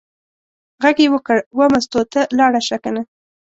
غږ یې وکړ: وه مستو ته لاړه شه کنه.